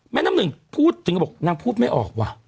น้ำหนึ่งพูดถึงก็บอกนางพูดไม่ออกว่ะ